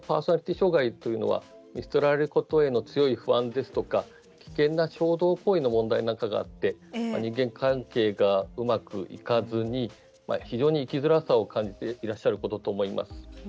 障害は見捨てられることへの強い不安ですとか危険な衝動の問題があって人間関係がうまくいかずに非常に生きづらさを感じていることだと思います。